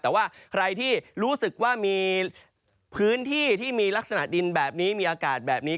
แต่ว่าใครที่รู้สึกว่ามีพื้นที่ที่มีลักษณะดินแบบนี้มีอากาศแบบนี้